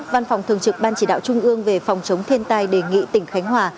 văn phòng thường trực ban chỉ đạo trung ương về phòng chống thiên tai đề nghị tỉnh khánh hòa